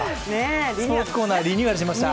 スポーツコーナー、リニューアルしました。